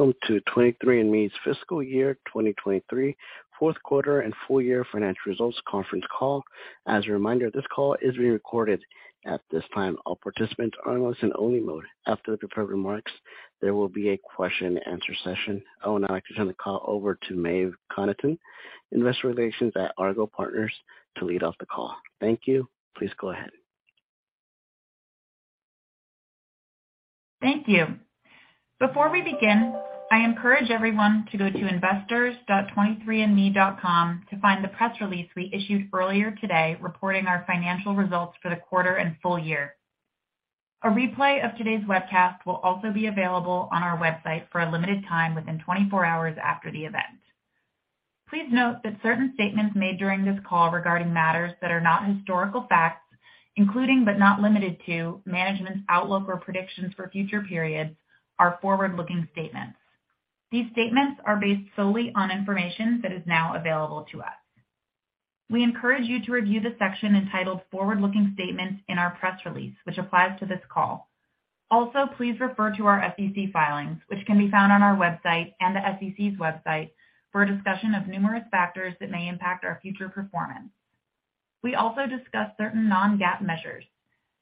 Hello, welcome to 23andMe's fiscal year 2023 Q4 and full year financial results conference call. As a reminder, this call is being recorded. At this time, all participants are in listen only mode. After the prepared remarks, there will be a question and answer session. I would now like to turn the call over to Maeve Conneighton, Investor Relations at Argot Partners, to lead off the call. Thank you. Please go ahead. Thank you. Before we begin, I encourage everyone to go to investors.23andMe.com to find the press release we issued earlier today, reporting our financial results for the quarter and full year. A replay of today's webcast will also be available on our website for a limited time within 24 hours after the event. Please note that certain statements made during this call regarding matters that are not historical facts, including, but not limited to, management's outlook or predictions for future periods, are forward-looking statements. These statements are based solely on information that is now available to us. We encourage you to review the section entitled Forward-Looking Statements in our press release, which applies to this call. Also, please refer to our SEC filings, which can be found on our website and the SEC's website, for a discussion of numerous factors that may impact our future performance. We also discuss certain non-GAAP measures.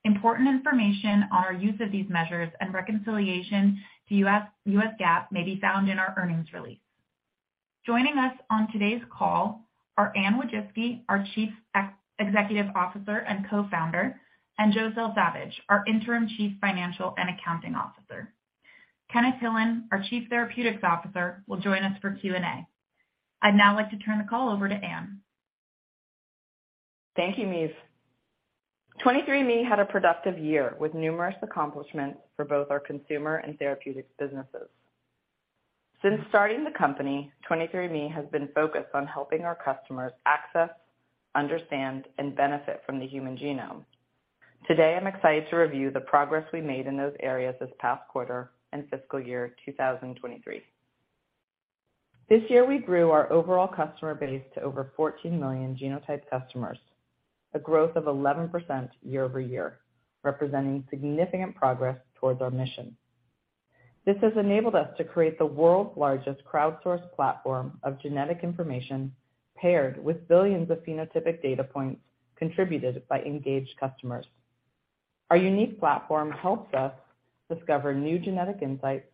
Important information on our use of these measures and reconciliation to U.S. GAAP may be found in our earnings release. Joining us on today's call are Anne Wojcicki, our Chief Executive Officer and Co-founder, and Joe Selsavage, our Interim Chief Financial and Accounting Officer. Kenneth Hillan, our Chief Therapeutics Officer, will join us for Q&A. I'd now like to turn the call over to Anne. Thank you, Maeve. 23andMe had a productive year, with numerous accomplishments for both our consumer and therapeutics businesses. Since starting the company, 23andMe has been focused on helping our customers access, understand, and benefit from the human genome. Today, I'm excited to review the progress we made in those areas this past quarter and fiscal year 2023. This year, we grew our overall customer base to over 14 million genotyped customers, a growth of 11% year-over-year, representing significant progress towards our mission. This has enabled us to create the world's largest crowdsourced platform of genetic information, paired with billions of phenotypic data points contributed by engaged customers. Our unique platform helps us discover new genetic insights,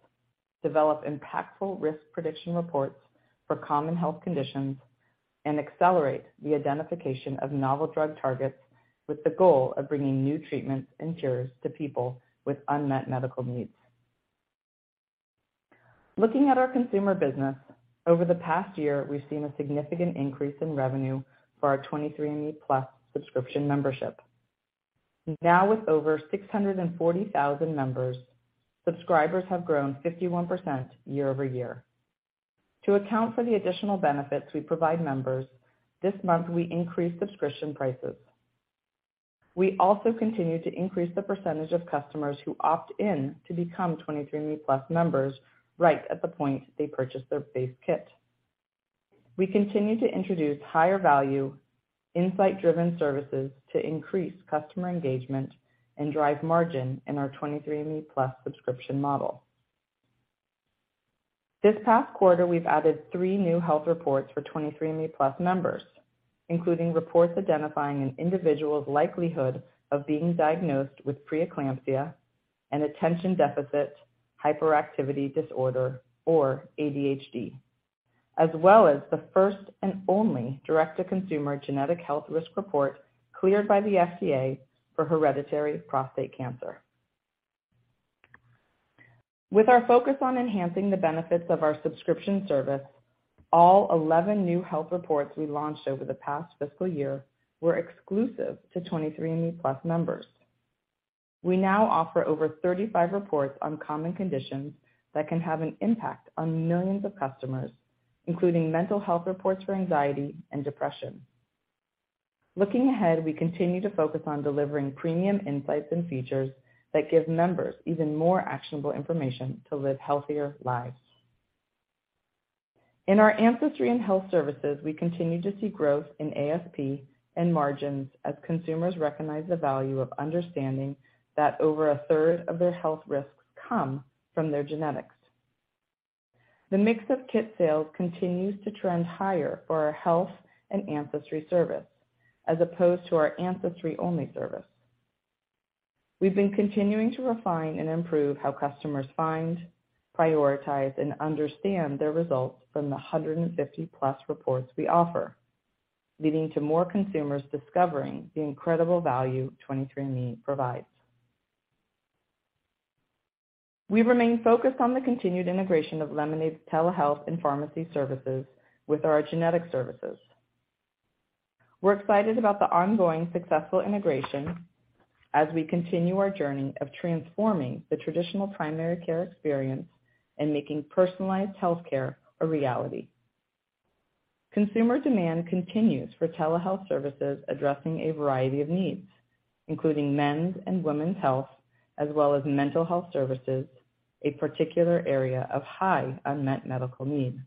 develop impactful risk prediction reports for common health conditions, and accelerate the identification of novel drug targets, with the goal of bringing new treatments and cures to people with unmet medical needs. Looking at our consumer business, over the past year, we've seen a significant increase in revenue for our 23andMe+ subscription membership. Now with over 640,000 members, subscribers have grown 51% year-over-year. To account for the additional benefits we provide members, this month, we increased subscription prices. We also continue to increase the percentage of customers who opt in to become 23andMe+ members right at the point they purchase their base kit. We continue to introduce higher value, insight-driven services to increase customer engagement and drive margin in our 23andMe+ subscription model. This past quarter, we've added three new health reports for 23andMe+ members, including reports identifying an individual's likelihood of being diagnosed with preeclampsia and attention deficit hyperactivity disorder, or ADHD, as well as the first and only direct-to-consumer genetic health risk report cleared by the FDA for hereditary prostate cancer. With our focus on enhancing the benefits of our subscription service, all 11 new health reports we launched over the past fiscal year were exclusive to 23andMe+ members. We now offer over 35 reports on common conditions that can have an impact on millions of customers, including mental health reports for anxiety and depression. Looking ahead, we continue to focus on delivering premium insights and features that give members even more actionable information to live healthier lives. In our ancestry and health services, we continue to see growth in ASP and margins as consumers recognize the value of understanding that over 1/3 of their health risks come from their genetics. The mix of kit sales continues to trend higher for our health and ancestry service, as opposed to our ancestry-only service. We've been continuing to refine and improve how customers find, prioritize, and understand their results from the 150+ reports we offer, leading to more consumers discovering the incredible value 23andMe provides. We remain focused on the continued integration of Lemonaid's telehealth and pharmacy services with our genetic services. We're excited about the ongoing successful integration as we continue our journey of transforming the traditional primary care experience and making personalized healthcare a reality. Consumer demand continues for telehealth services addressing a variety of needs, including men's and women's health, as well as mental health services, a particular area of high unmet medical need.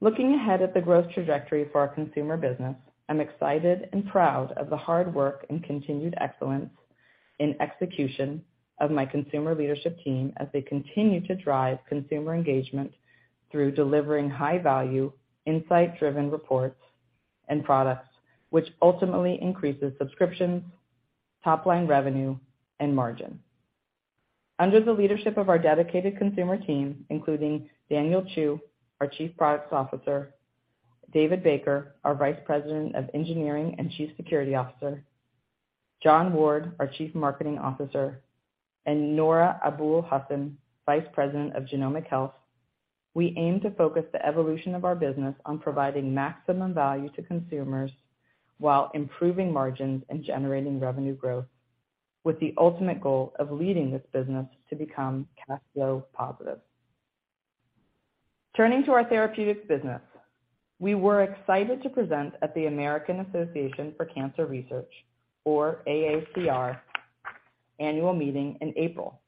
Looking ahead at the growth trajectory for our consumer business, I'm excited and proud of the hard work and continued excellence in execution of my consumer leadership team as they continue to drive consumer engagement through delivering high value, insight-driven reports and products, which ultimately increases subscriptions, top line revenue, and margin. Under the leadership of our dedicated consumer team, including Daniel Chu, our Chief Product Officer, David Baker, our Vice President of Engineering and Chief Security Officer, John Ward, our Chief Marketing Officer, and Noura Abul-Husn, Vice President of Genomic Health, we aim to focus the evolution of our business on providing maximum value to consumers while improving margins and generating revenue growth, with the ultimate goal of leading this business to become cash flow positive. Turning to our therapeutics business, we were excited to present at the American Association for Cancer Research, or AACR, annual meeting in April,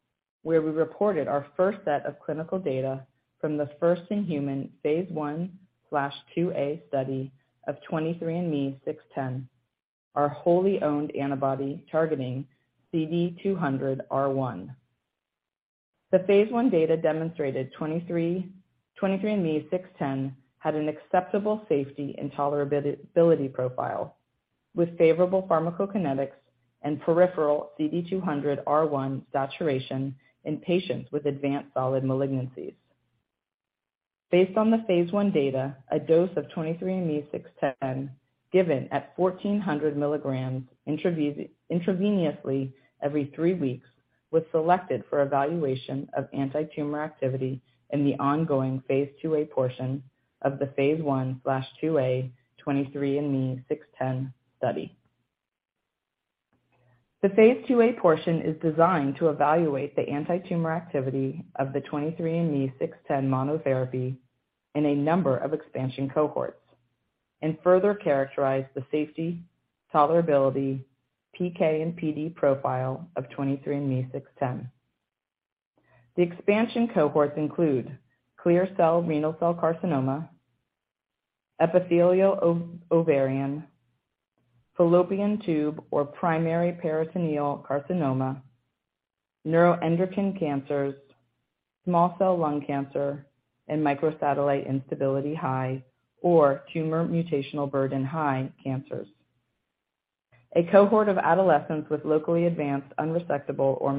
where we reported our first set of clinical data from the first in human Phase I/II-A study of 23ME-00610, our wholly owned antibody targeting CD200R1. The phase I data demonstrated 23ME-00610 had an acceptable safety and tolerability profile, with favorable pharmacokinetics and peripheral CD200R1 saturation in patients with advanced solid malignancies. Based on the phase I data, a dose of 23ME-00610, given at 1,400 mg intravenously every three weeks, was selected for evaluation of antitumor activity in the ongoing phase II-A portion of the phase I/II-A 23ME-00610 study. The phase II-A portion is designed to evaluate the antitumor activity of the 23ME-00610 monotherapy in a number of expansion cohorts, and further characterize the safety, tolerability, PK and PD profile of 23ME-00610. The expansion cohorts include clear cell renal cell carcinoma, epithelial ovarian, fallopian tube or primary peritoneal carcinoma, neuroendocrine cancers, small cell lung cancer, and microsatellite instability high or tumor mutational burden high cancers. A cohort of adolescents with locally advanced, unresectable or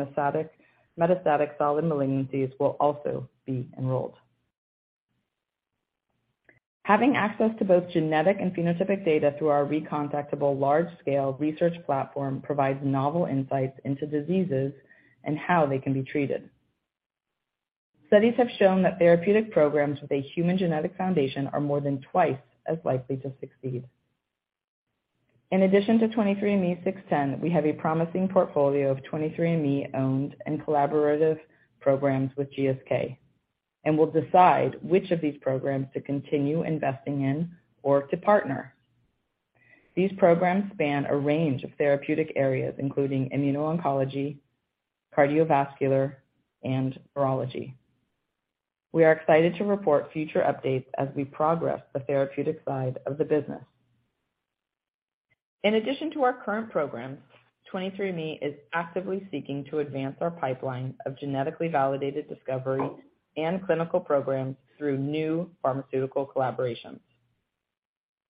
metastatic solid malignancies will also be enrolled. Having access to both genetic and phenotypic data through our recontactable large-scale research platform provides novel insights into diseases and how they can be treated. Studies have shown that therapeutic programs with a human genetic foundation are more than twice as likely to succeed. In addition to 23ME-00610, we have a promising portfolio of 23andMe-owned and collaborative programs with GSK, we'll decide which of these programs to continue investing in or to partner. These programs span a range of therapeutic areas, including immuno-oncology, cardiovascular, and urology. We are excited to report future updates as we progress the therapeutic side of the business. To our current programs, 23andMe is actively seeking to advance our pipeline of genetically validated discovery and clinical programs through new pharmaceutical collaborations.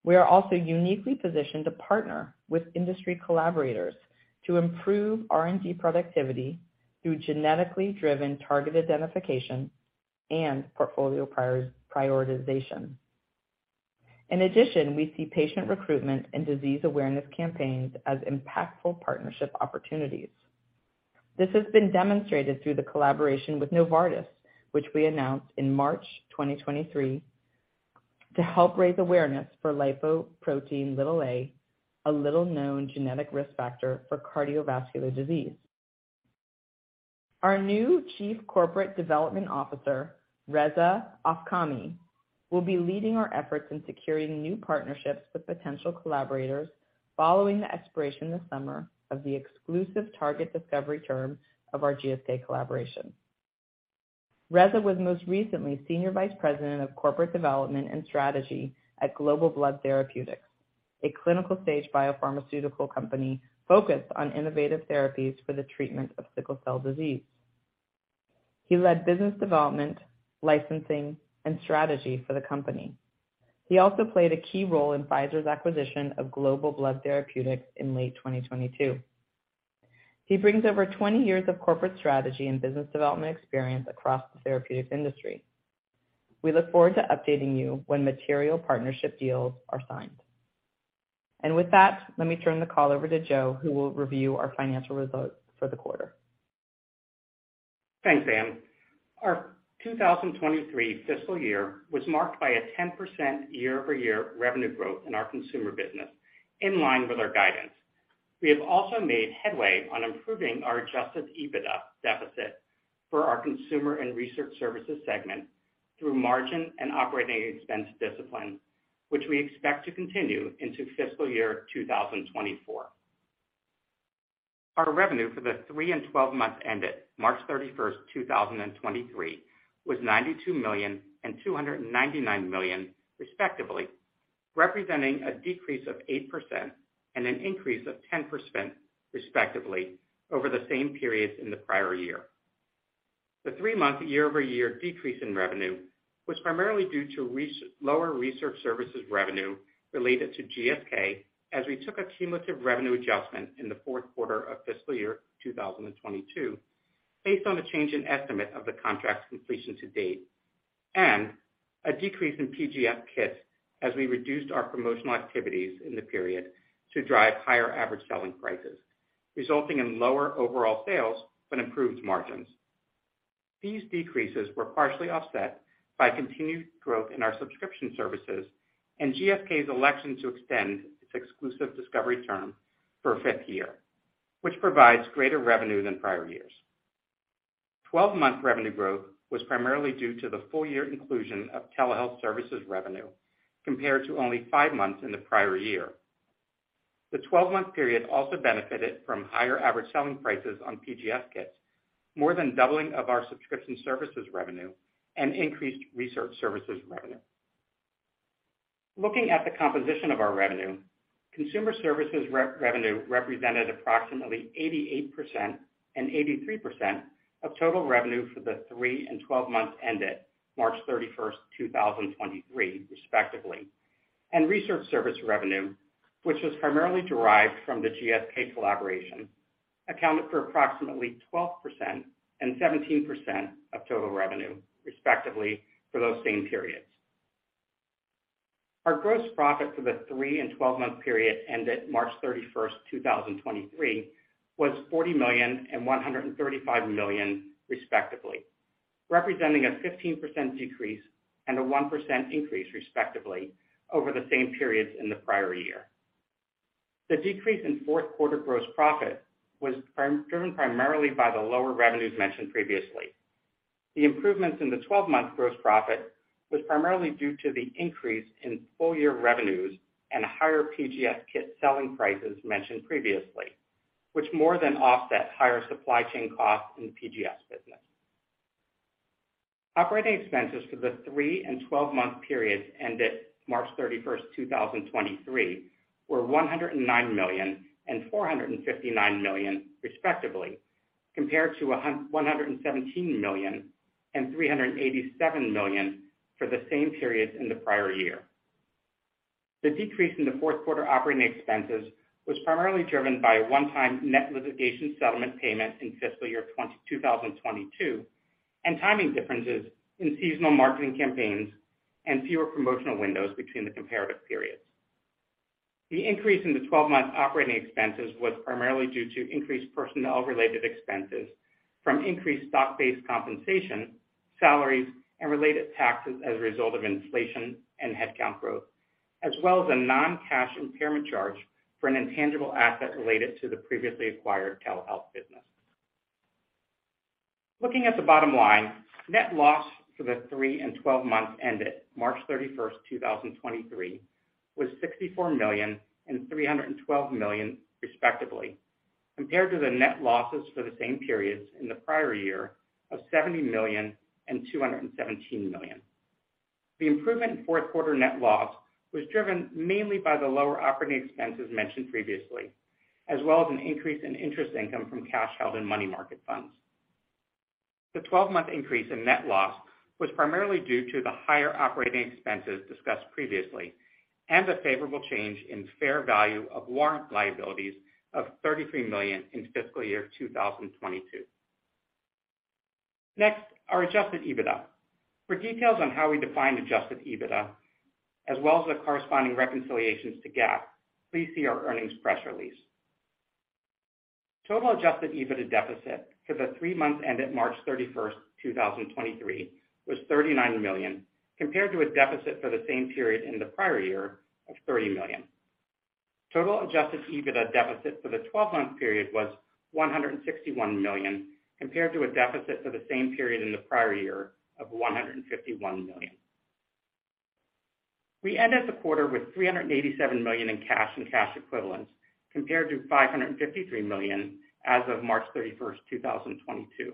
We are also uniquely positioned to partner with industry collaborators to improve R&D productivity through genetically driven target identification and portfolio prioritization. We see patient recruitment and disease awareness campaigns as impactful partnership opportunities. This has been demonstrated through the collaboration with Novartis, which we announced in March 2023, to help raise awareness for Lipoprotein(a), a little-known genetic risk factor for cardiovascular disease. Our new Chief Corporate Development Officer, Reza Afkhami, will be leading our efforts in securing new partnerships with potential collaborators following the expiration this summer of the exclusive target discovery term of our GSK collaboration. Reza was most recently Senior Vice President of Corporate Development and Strategy at Global Blood Therapeutics, a clinical-stage biopharmaceutical company focused on innovative therapies for the treatment of sickle cell disease. He led business development, licensing, and strategy for the company. He also played a key role in Pfizer's acquisition of Global Blood Therapeutics in late 2022. He brings over 20 years of corporate strategy and business development experience across the therapeutics industry. We look forward to updating you when material partnership deals are signed. With that, let me turn the call over to Joe, who will review our financial results for the quarter. Thanks, Anne. Our 2023 fiscal year was marked by a 10% year-over-year revenue growth in our consumer business, in line with our guidance. We have also made headway on improving our adjusted EBITDA deficit for our consumer and research services segment through margin and operating expense discipline, which we expect to continue into fiscal year 2024. Our revenue for the three and 12 months ended March 31st, 2023, was $92 million and $299 million, respectively, representing a decrease of 8% and an increase of 10%, respectively, over the same periods in the prior year. The three-month year-over-year decrease in revenue was primarily due to lower research services revenue related to GSK, as we took a cumulative revenue adjustment in the Q4 of fiscal year 2022, based on the change in estimate of the contract's completion to date, and a decrease in PGS kits as we reduced our promotional activities in the period to drive higher average selling prices, resulting in lower overall sales but improved margins. These decreases were partially offset by continued growth in our subscription services and GSK's election to extend its exclusive discovery term for a fifth year, which provides greater revenue than prior years. 12-month revenue growth was primarily due to the full year inclusion of telehealth services revenue, compared to only five months in the prior year. The 12-month period also benefited from higher average selling prices on PGS kits, more than doubling of our subscription services revenue and increased research services revenue. Looking at the composition of our revenue, consumer services revenue represented approximately 88% and 83% of total revenue for the three and 12 months ended March 31st, 2023, respectively. Research service revenue, which was primarily derived from the GSK collaboration, accounted for approximately 12% and 17% of total revenue, respectively, for those same periods. Our gross profit for the three and 12-month period ended March 31st, 2023, was $40 million and $135 million, respectively, representing a 15% decrease and a 1% increase, respectively, over the same periods in the prior year. The decrease in Q4 gross profit was driven primarily by the lower revenues mentioned previously. The improvements in the 12-month gross profit was primarily due to the increase in full year revenues and higher PGS kit selling prices mentioned previously, which more than offset higher supply chain costs in the PGS business. Operating expenses for the three and 12-month periods ended March 31st, 2023, were $109 million and $459 million, respectively, compared to $117 million and $387 million for the same periods in the prior year. The decrease in the Q4 operating expenses was primarily driven by a one-time net litigation settlement payment in fiscal year 2022, and timing differences in seasonal marketing campaigns and fewer promotional windows between the comparative periods. The increase in the 12-month operating expenses was primarily due to increased personnel-related expenses from increased stock-based compensation, salaries, and related taxes as a result of inflation and headcount growth, as well as a non-cash impairment charge for an intangible asset related to the previously acquired telehealth business. Looking at the bottom line, net loss for the three and 12 months ended March 31st, 2023, was $64 million and $312 million, respectively, compared to the net losses for the same periods in the prior year of $70 million and $217 million. The improvement in Q4 net loss was driven mainly by the lower operating expenses mentioned previously, as well as an increase in interest income from cash held in money market funds. The 12-month increase in net loss was primarily due to the higher operating expenses discussed previously, and a favorable change in fair value of warrant liabilities of $33 million in fiscal year 2022. Next, our adjusted EBITDA. For details on how we define adjusted EBITDA, as well as the corresponding reconciliations to GAAP, please see our earnings press release. Total adjusted EBITDA deficit for the three months ended March 31st, 2023, was $39 million, compared to a deficit for the same period in the prior year of $30 million. Total adjusted EBITDA deficit for the 12-month period was $161 million, compared to a deficit for the same period in the prior year of $151 million. We ended the quarter with $387 million in cash and cash equivalents, compared to $553 million as of March 31st, 2022.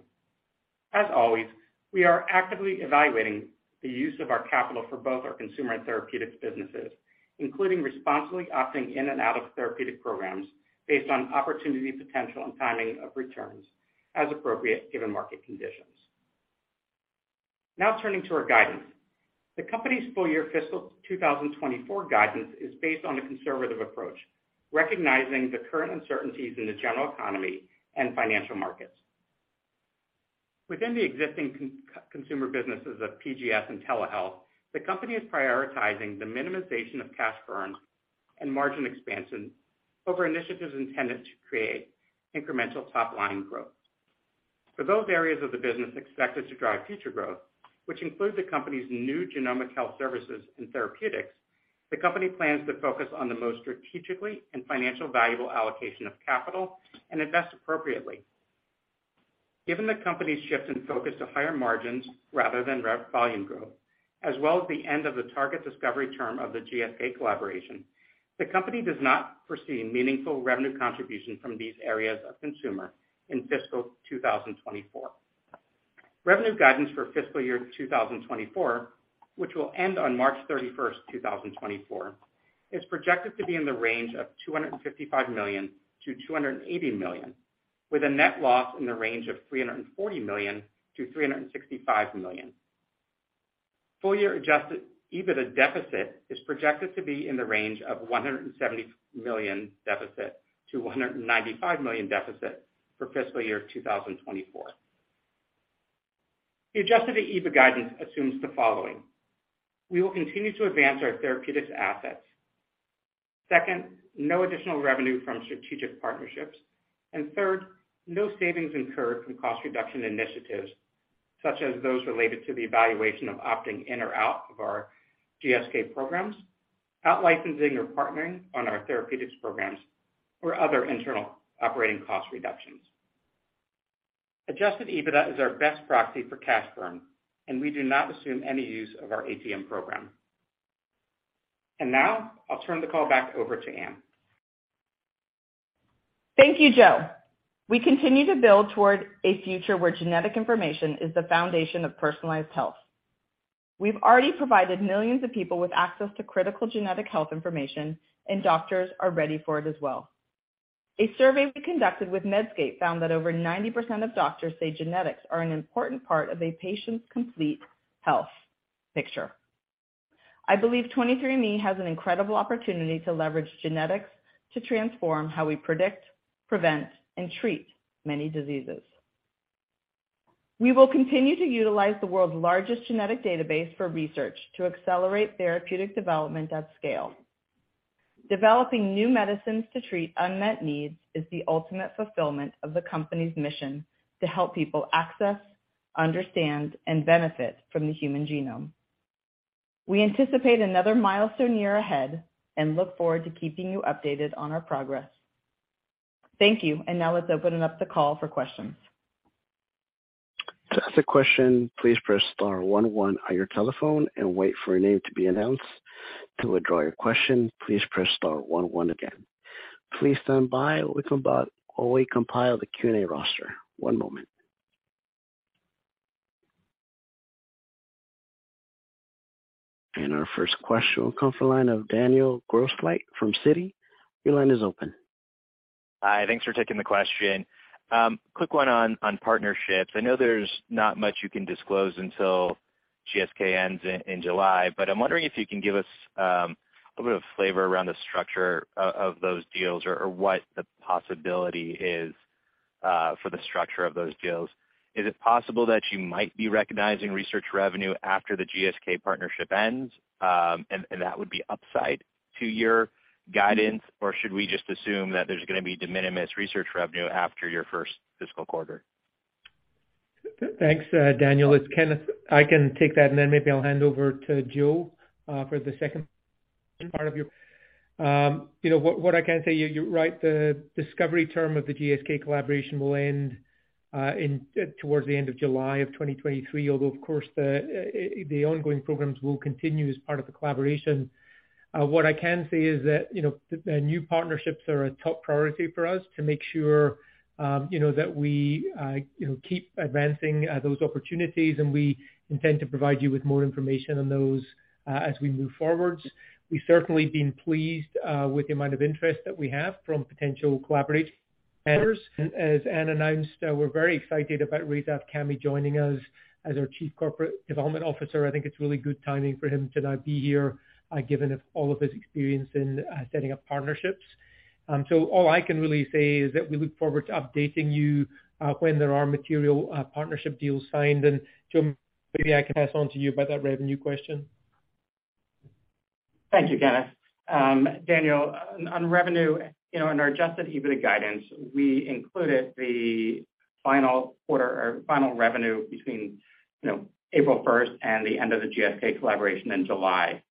As always, we are actively evaluating the use of our capital for both our consumer and therapeutics businesses, including responsibly opting in and out of therapeutic programs based on opportunity, potential, and timing of returns, as appropriate, given market conditions. Now, turning to our guidance. The company's full-year fiscal 2024 guidance is based on a conservative approach, recognizing the current uncertainties in the general economy and financial markets. Within the existing consumer businesses of PGS and Telehealth, the company is prioritizing the minimization of cash burn and margin expansion over initiatives intended to create incremental top-line growth. For those areas of the business expected to drive future growth, which include the company's new genomic health services and therapeutics, the company plans to focus on the most strategically and financially valuable allocation of capital and invest appropriately. Given the company's shift in focus to higher margins rather than rev volume growth, as well as the end of the target discovery term of the GSK collaboration, the company does not foresee meaningful revenue contribution from these areas of consumer in fiscal 2024. Revenue guidance for fiscal year 2024, which will end on March 31st, 2024, is projected to be in the range of $255 million-$280 million, with a net loss in the range of $340 million-$365 million. Full year adjusted EBITDA deficit is projected to be in the range of $170 million deficit to $195 million deficit for fiscal year 2024. The adjusted EBITDA guidance assumes the following: We will continue to advance our therapeutics assets. Second, no additional revenue from strategic partnerships. Third, no savings incurred from cost reduction initiatives, such as those related to the evaluation of opting in or out of our GSK programs, out-licensing or partnering on our therapeutics programs or other internal operating cost reductions. Adjusted EBITDA is our best proxy for cash burn, and we do not assume any use of our ATM program. Now I'll turn the call back over to Anne. Thank you, Joe. We continue to build toward a future where genetic information is the foundation of personalized health. We've already provided millions of people with access to critical genetic health information, and doctors are ready for it as well. A survey we conducted with Medscape found that over 90% of doctors say genetics are an important part of a patient's complete health picture. I believe 23andMe has an incredible opportunity to leverage genetics to transform how we predict, prevent, and treat many diseases. We will continue to utilize the world's largest genetic database for research to accelerate therapeutic development at scale. Developing new medicines to treat unmet needs is the ultimate fulfillment of the company's mission to help people access, understand, and benefit from the human genome. We anticipate another milestone year ahead and look forward to keeping you updated on our progress. Thank you, now let's open it up the call for questions. To ask a question, please press star one one on your telephone and wait for your name to be announced. To withdraw your question, please press star one one again. Please stand by while we compile the Q&A roster. One moment. Our first question will come from the line of Daniel Grosslight from Citi. Your line is open. Hi, thanks for taking the question. Quick one on partnerships. I know there's not much you can disclose until GSK ends in July, but I'm wondering if you can give us a bit of flavor around the structure of those deals or what the possibility is for the structure of those deals. Is it possible that you might be recognizing research revenue after the GSK partnership ends, and that would be upside to your guidance? Or should we just assume that there's gonna be de minimis research revenue after your first fiscal quarter? Thanks, Daniel, it's Kenneth. I can take that, and then maybe I'll hand over to Joe for the second part of your. You know what I can say, you're right, the discovery term of the GSK collaboration will end towards the end of July of 2023, although, of course, the ongoing programs will continue as part of the collaboration. What I can say is that, you know, the new partnerships are a top priority for us to make sure, you know, that we, you know, keep advancing those opportunities, and we intend to provide you with more information on those as we move forward. We've certainly been pleased with the amount of interest that we have from potential collaborators. As Anne announced, we're very excited about Reza Afkhami joining us as our Chief Corporate Development Officer. I think it's really good timing for him to now be here, given all of his experience in setting up partnerships. All I can really say is that we look forward to updating you when there are material partnership deals signed. Joe, maybe I can pass on to you about that revenue question. Thank you, Kenneth. Daniel, on revenue, you know, in our adjusted EBITDA guidance, we included the final quarter or final revenue between, you know, April 1st and the end of the GSK collaboration in July.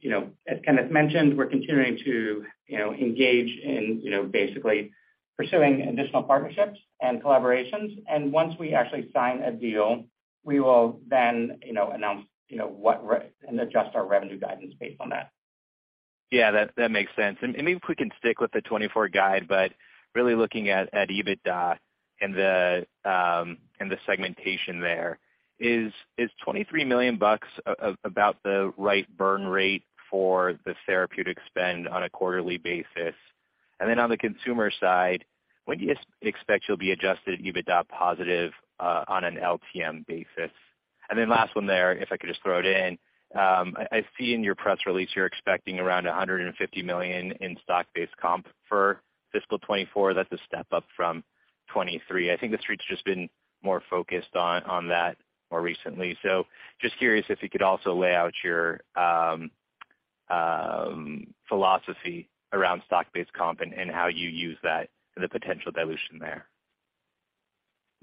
You know, as Kenneth mentioned, we're continuing to, you know, engage in, you know, basically pursuing additional partnerships and collaborations, and once we actually sign a deal, we will then, you know, announce, and adjust our revenue guidance based on that. Yeah, that makes sense. Maybe if we can stick with the 2024 guide, but really looking at EBITDA and the segmentation there. Is $23 million about the right burn rate for the therapeutic spend on a quarterly basis? Then on the consumer side, when do you expect you'll be adjusted EBITDA positive on an LTM basis? Last one there, if I could just throw it in. I see in your press release you're expecting around $150 million in stock-based comp for fiscal 2024. That's a step up from 2023. I think the street's just been more focused on that more recently. Just curious if you could also lay out your philosophy around stock-based comp and how you use that and the potential dilution there.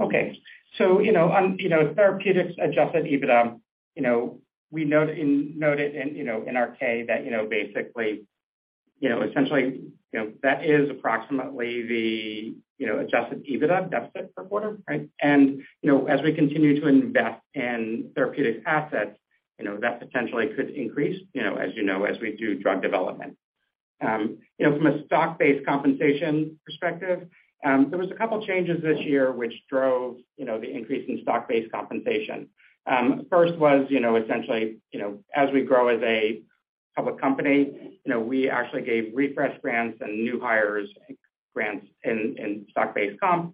Okay. you know, on, you know, therapeutics, adjusted EBITDA, you know, we noted in, you know, in our K that, you know, You know, essentially, you know, that is approximately the, you know, adjusted EBITDA deficit per quarter, right? You know, as we continue to invest in therapeutic assets, you know, that potentially could increase, you know, as you know, as we do drug development. You know, from a stock-based compensation perspective, there was a couple changes this year which drove, you know, the increase in stock-based compensation. First was, you know, essentially, you know, as we grow as a public company, you know, we actually gave refresh grants and new hires grants in stock-based comp.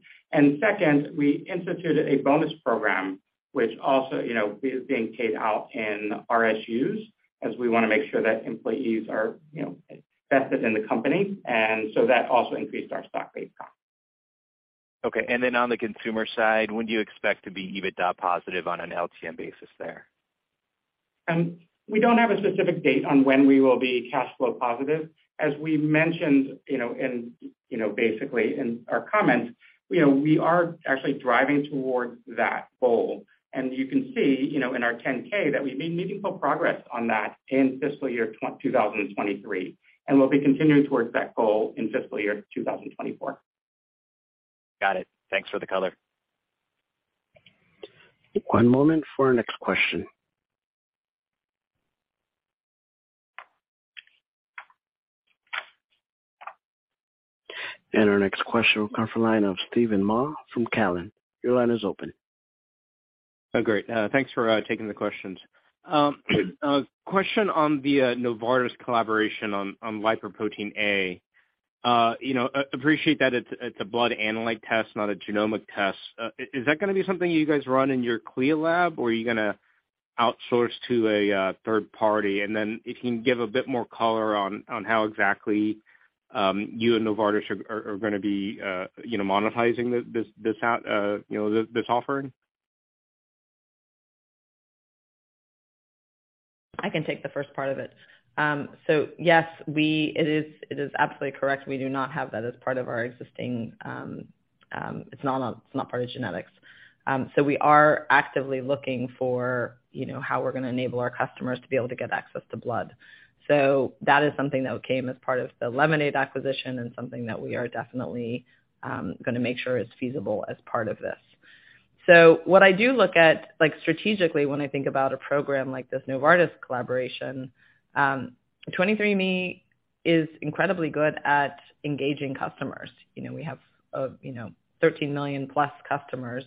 Second, we instituted a bonus program, which also, you know, is being paid out in RSUs, as we wanna make sure that employees are, you know, vested in the company, and so that also increased our stock-based comp. Okay, and then on the consumer side, when do you expect to be EBITDA positive on an LTM basis there? We don't have a specific date on when we will be cash flow positive. As we mentioned, you know, in, you know, basically in our comments, you know, we are actually driving towards that goal. You can see, you know, in our 10-K that we've made meaningful progress on that in fiscal year 2023, and we'll be continuing towards that goal in fiscal year 2024. Got it. Thanks for the color. One moment for our next question. Our next question will come from the line of Steven Mah from Cowen. Your line is open. Oh, great. Thanks for taking the questions. Question on the Novartis collaboration on Lipoprotein(a). You know, appreciate that it's a blood analyte test, not a genomic test. Is that gonna be something you guys run in your CLIA lab, or are you gonna outsource to a third party? If you can give a bit more color on how exactly you and Novartis are gonna be, you know, monetizing this out, you know, this offering? I can take the first part of it. Yes, it is absolutely correct. We do not have that as part of our existing, it's not part of genetics. We are actively looking for, you know, how we're gonna enable our customers to be able to get access to blood. That is something that came as part of the Lemonaid acquisition and something that we are definitely gonna make sure is feasible as part of this. What I do look at, like, strategically when I think about a program like this Novartis collaboration, 23andMe is incredibly good at engaging customers. You know, we have, you know, 13 million+ customers.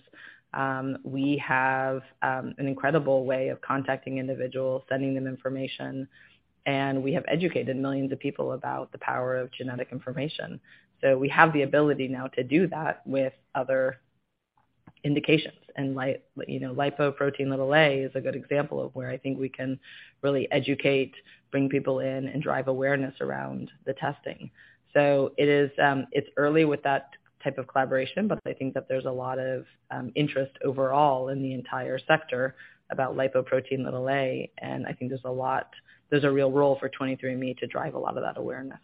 We have an incredible way of contacting individuals, sending them information, and we have educated millions of people about the power of genetic information. We have the ability now to do that with other indications. You know, Lipoprotein(a) is a good example of where I think we can really educate, bring people in, and drive awareness around the testing. It is, it's early with that type of collaboration, but I think that there's a lot of interest overall in the entire sector about Lipoprotein(a), and I think there's a real role for 23andMe to drive a lot of that awareness.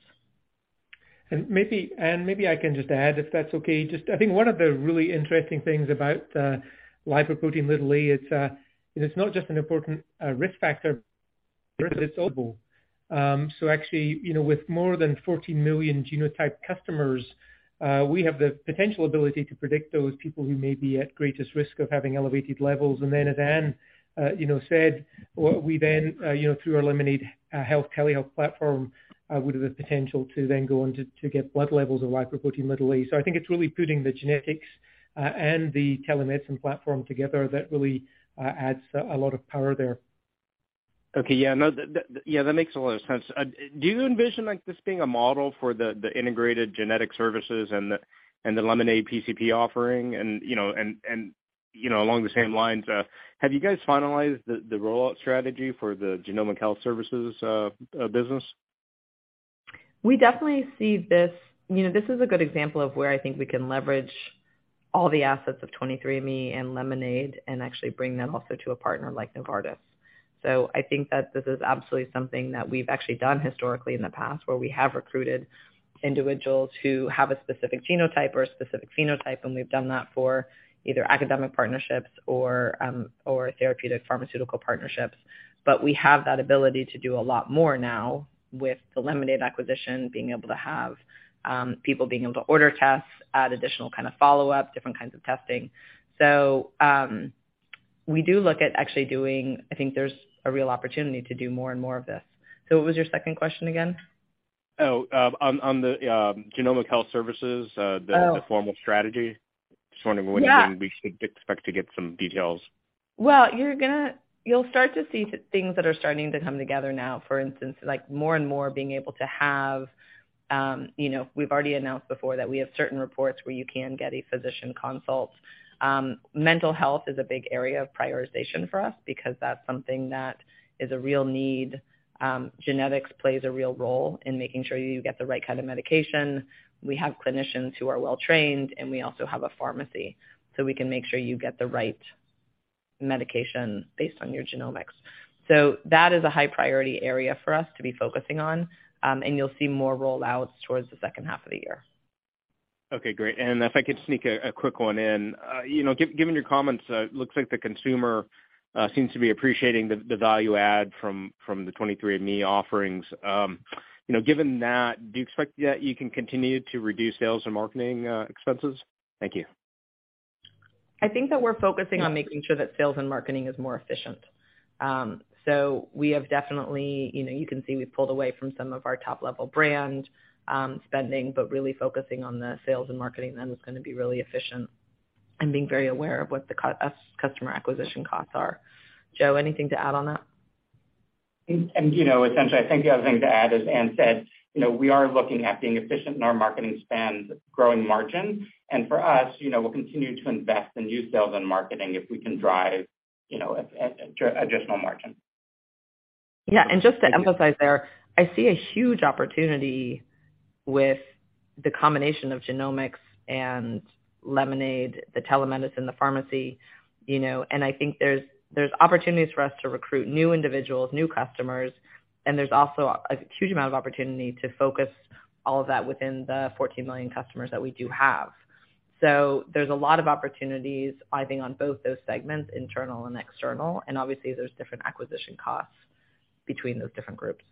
Maybe I can just add, if that's okay. Just I think one of the really interesting things about Lipoprotein(a) is it's not just an important risk factor, [it's audible]. Actually, you know, with more than 14 million genotyped customers, we have the potential ability to predict those people who may be at greatest risk of having elevated levels. Then as Anne, you know, said, we then, you know, through our Lemonaid Health, telehealth platform, would have the potential to get blood levels of Lipoprotein(a). I think it's really putting the genetics and the telemedicine platform together that really adds a lot of power there. Okay. Yeah, no, that makes a lot of sense. Do you envision, like, this being a model for the integrated genetic services and the Lemonaid PCP offering? You know, along the same lines, have you guys finalized the rollout strategy for the genomic health services business? We definitely see this. You know, this is a good example of where I think we can leverage all the assets of 23andMe and Lemonaid and actually bring them also to a partner like Novartis. I think that this is absolutely something that we've actually done historically in the past, where we have recruited individuals who have a specific genotype or a specific phenotype, and we've done that for either academic partnerships or therapeutic pharmaceutical partnerships. We have that ability to do a lot more now with the Lemonaid acquisition, being able to have people being able to order tests, add additional kind of follow-up, different kinds of testing. We do look at actually doing. I think there's a real opportunity to do more and more of this. What was your second question again? Oh, on the genomic health services, the formal strategy. Just wondering when we should expect to get some details. Well, you'll start to see things that are starting to come together now. For instance, like more and more being able to have, you know, we've already announced before that we have certain reports where you can get a physician consult. Mental health is a big area of prioritization for us because that's something that is a real need. Genetics plays a real role in making sure you get the right kind of medication. We have clinicians who are well trained, and we also have a pharmacy, so we can make sure you get the right medication based on your genomics. That is a high-priority area for us to be focusing on, and you'll see more rollouts towards the H2 of the year. Okay, great. If I could sneak a quick one in. You know, given your comments, it looks like the consumer seems to be appreciating the value add from the 23andMe offerings. You know, given that, do you expect that you can continue to reduce sales and marketing expenses? Thank you. I think that we're focusing on making sure that sales and marketing is more efficient. We have definitely, you know, you can see we've pulled away from some of our top-level brand spending, but really focusing on the sales and marketing, and that is gonna be really efficient, and being very aware of what the customer acquisition costs are. Joe, anything to add on that? You know, essentially, I think the other thing to add, as Anne said, you know, we are looking at being efficient in our marketing spend, growing margins. For us, you know, we'll continue to invest in new sales and marketing if we can drive, you know, additional margin. Just to emphasize there, I see a huge opportunity with the combination of genomics and Lemonaid, the telemedicine, the pharmacy, you know, and I think there's opportunities for us to recruit new individuals, new customers, and there's also a huge amount of opportunity to focus all of that within the 14 million customers that we do have. There's a lot of opportunities, I think, on both those segments, internal and external, and obviously there's different acquisition costs between those different groups.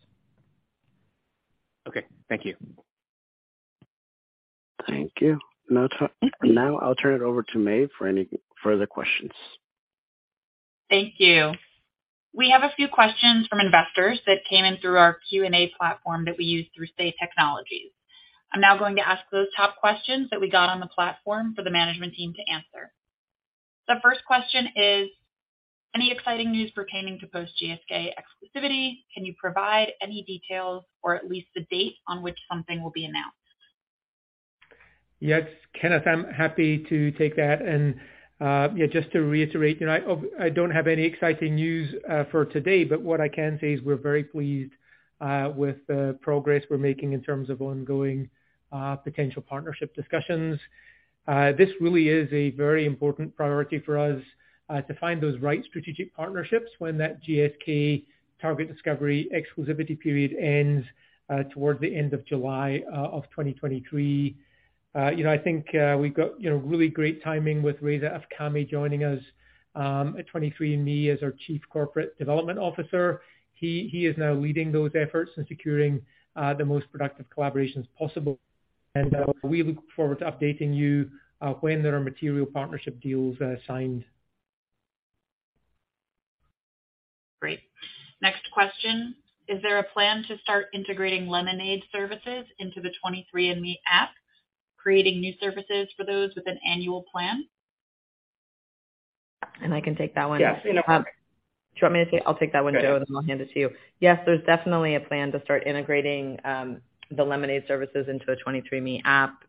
Okay. Thank you. Thank you. Now I'll turn it over to Maeve for any further questions. Thank you. We have a few questions from investors that came in through our Q&A platform that we use through Say Technologies. I'm now going to ask those top questions that we got on the platform for the management team to answer. The first question is: Any exciting news pertaining to post GSK exclusivity? Can you provide any details or at least the date on which something will be announced? Yes, Kenneth, I'm happy to take that. Just to reiterate, you know, I don't have any exciting news for today, but what I can say is we're very pleased with the progress we're making in terms of ongoing potential partnership discussions. This really is a very important priority for us to find those right strategic partnerships when that GSK target discovery exclusivity period ends toward the end of July of 2023. You know, I think we've got, you know, really great timing with Reza Afkhami joining us at 23andMe as our Chief Corporate Development Officer. He is now leading those efforts in securing the most productive collaborations possible. We look forward to updating you when there are material partnership deals signed. Great. Next question: Is there a plan to start integrating Lemonaid services into the 23andMe app, creating new services for those with an annual plan? I can take that one. Yes. I'll take that one, Joe, then I'll hand it to you. Yes, there's definitely a plan to start integrating the Lemonaid services into the 23andMe app,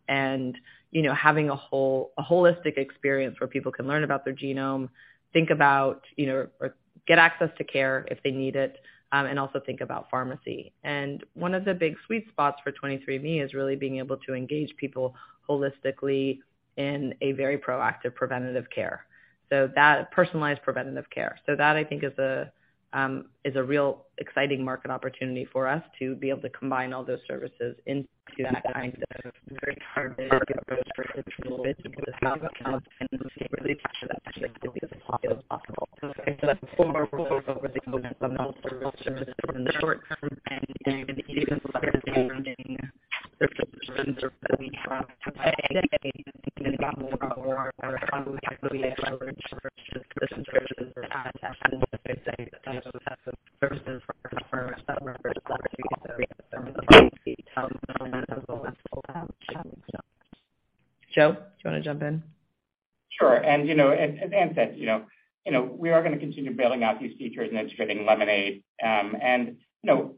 you know, having a holistic experience where people can learn about their genome, think about, you know, or get access to care if they need it, also think about pharmacy. One of the big sweet spots for 23andMe is really being able to engage people holistically in a very proactive preventative care. That personalized preventative care. That, I think, is a real exciting market opportunity for us to be able to combine all those services. Joe, do you want to jump in? Sure. You know, as Anne said, you know, we are gonna continue building out these features and integrating Lemonaid. You know,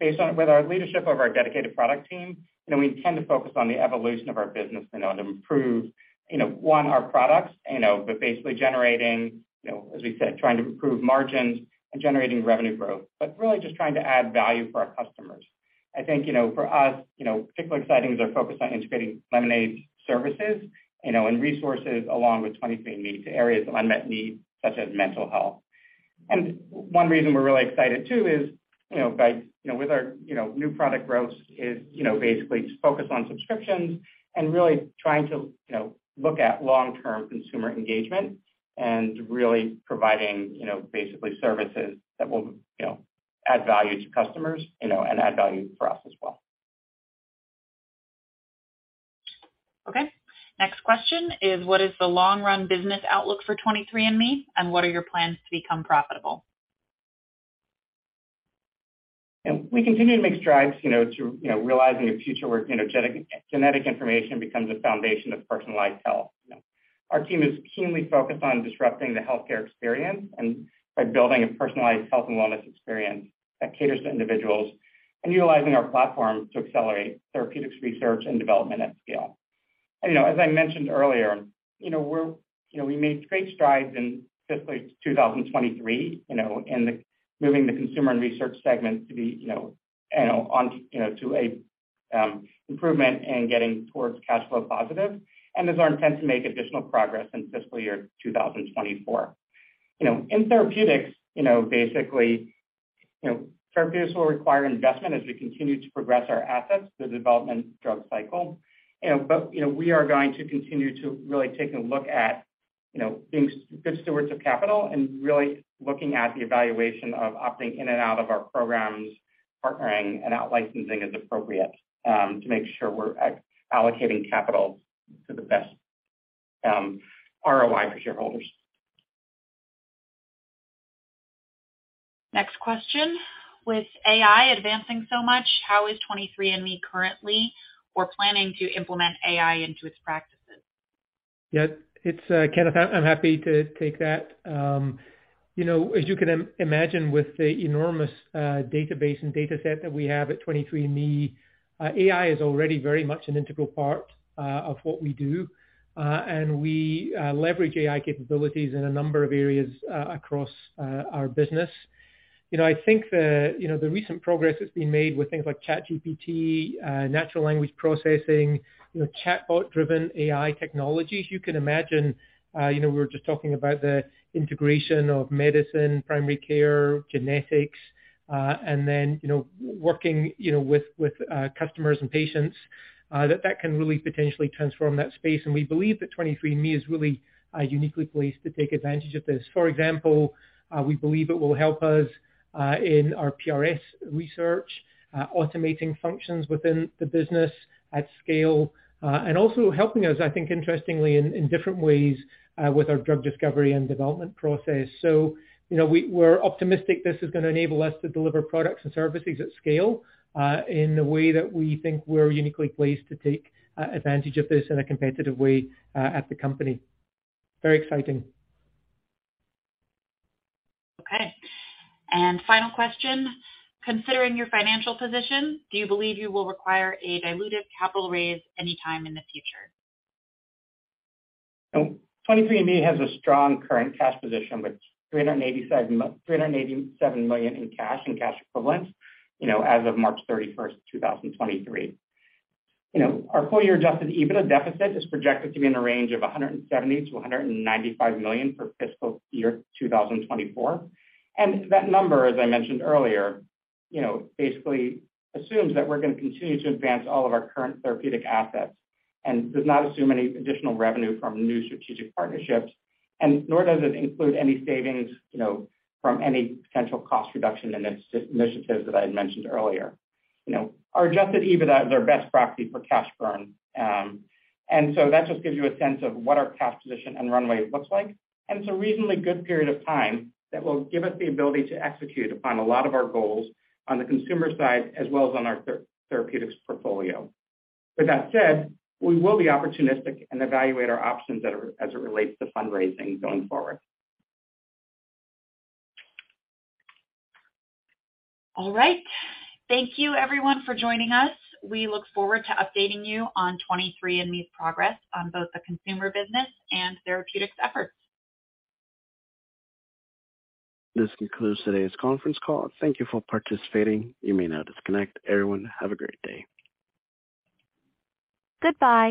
based on with our leadership of our dedicated product team, you know, we tend to focus on the evolution of our business, you know, to improve, you know, one, our products, you know, but basically generating, you know, as we said, trying to improve margins and generating revenue growth, but really just trying to add value for our customers. I think, you know, for us, you know, particularly exciting is our focus on integrating Lemonaid services, you know, and resources along with 23andMe to areas of unmet needs such as mental health. One reason we're really excited, too, is, you know, by, you know, with our, you know, new product growth is, you know, basically focused on subscriptions and really trying to, you know, look at long-term consumer engagement and really providing, you know, basically services that will, you know, add value to customers, you know, and add value for us as well. Okay. Next question is: What is the long-run business outlook for 23andMe, and what are your plans to become profitable? We continue to make strides, you know, to, you know, realizing a future where, you know, genetic information becomes a foundation of personalized health. Our team is keenly focused on disrupting the healthcare experience and by building a personalized health and wellness experience that caters to individuals, and utilizing our platform to accelerate therapeutics, research, and development at scale. As I mentioned earlier, you know, we made great strides in fiscal 2023, you know, in the moving the consumer and research segment to be, you know, on, to a improvement in getting towards cash flow positive. It's our intent to make additional progress in fiscal year 2024. You know, in therapeutics, basically, will require investment as we continue to progress our assets, the development drug cycle. You know, you know, we are going to continue to really take a look at, you know, being good stewards of capital and really looking at the evaluation of opting in and out of our programs, partnering, and out-licensing as appropriate, to make sure we're allocating capital to the best ROI for shareholders. Next question: With AI advancing so much, how is 23andMe currently or planning to implement AI into its practices? Yeah, it's Kenneth. I'm happy to take that. You know, as you can imagine, with the enormous database and dataset that we have at 23andMe, AI is already very much an integral part of what we do. We leverage AI capabilities in a number of areas across our business. You know, I think the, you know, the recent progress that's been made with things like ChatGPT, natural language processing, you know, chatbot-driven AI technologies, you can imagine, you know, we were just talking about the integration of medicine, primary care, genetics, working, you know, with customers and patients that can really potentially transform that space. We believe that 23andMe is really uniquely placed to take advantage of this. For example, we believe it will help us in our PRS research, automating functions within the business at scale, and also helping us, I think, interestingly, in different ways, with our drug discovery and development process. You know, we're optimistic this is gonna enable us to deliver products and services at scale, in a way that we think we're uniquely placed to take advantage of this in a competitive way, at the company. Very exciting. Okay, final question: Considering your financial position, do you believe you will require a dilutive capital raise anytime in the future? 23andMe has a strong current cash position with $387 million in cash and cash equivalents, you know, as of March 31st, 2023. You know, our full year adjusted EBITDA deficit is projected to be in the range of $170 million-$195 million for fiscal year 2024. That number, as I mentioned earlier, you know, basically assumes that we're gonna continue to advance all of our current therapeutic assets and does not assume any additional revenue from new strategic partnerships, and nor does it include any savings, you know, from any potential cost reduction initiatives that I had mentioned earlier. You know, our adjusted EBITDA is our best proxy for cash burn. That just gives you a sense of what our cash position and runway looks like, and it's a reasonably good period of time that will give us the ability to execute upon a lot of our goals on the consumer side, as well as on our therapeutics portfolio. With that said, we will be opportunistic and evaluate our options as it relates to fundraising going forward. All right. Thank you everyone for joining us. We look forward to updating you on 23andMe's progress on both the consumer business and therapeutics efforts. This concludes today's conference call. Thank you for participating. You may now disconnect. Everyone, have a great day.